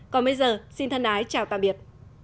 còn bây giờ xin thân ái chào tạm biệt